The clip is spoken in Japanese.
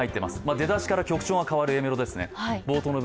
出だしから曲長が変わるＡメロですね。